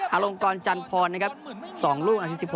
อลงกรจันทรนะครับ๒ลูกนาที๑๖